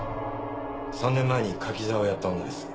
３年前に柿沢をやった女です。